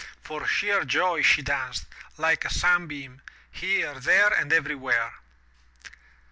For sheer joy she danced, like a sunbeam, here, there and everywhere.